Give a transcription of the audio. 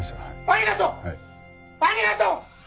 ありがとう！ありがとう！